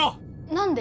なんで？